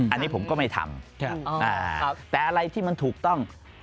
อันนี้ผมก็ไม่ทำแต่อะไรที่มันถูกต้อง